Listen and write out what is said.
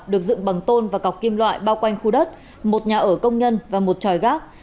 được dựng bằng tôn và cọc kim loại bao quanh khu đất một nhà ở công nhân và một tròi gác